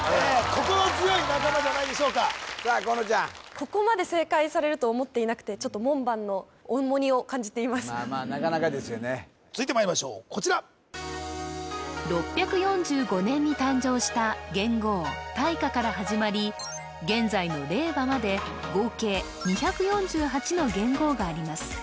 心強い仲間じゃないでしょうかさあ河野ちゃんまあまあなかなかですよね続いてまいりましょうこちら６４５年に誕生した元号大化から始まり現在の令和まで合計２４８の元号があります